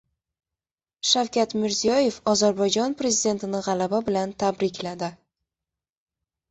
Shavkat Mirziyoyev Ozarbayjon prezidentini g‘alaba bilan tabrikladi